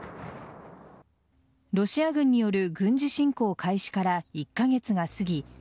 ロシア軍による軍事侵攻開始から１カ月が過ぎ